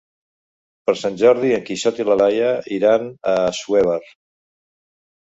Per Sant Jordi en Quixot i na Laia iran a Assuévar.